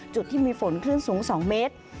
จุดที่มีฝนคลื่นสูง๒เมตร